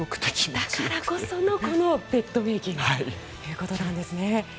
だからこそのこのベッドメイキングということなんですね。